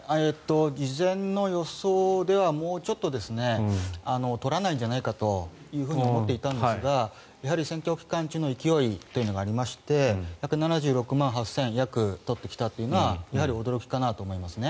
事前の予想ではもうちょっと取らないんじゃないかというふうに思っていたんですが選挙期間中の勢いというのがありまして１７６万８０００を取ってきたというのはやはり驚きかなと思いますね。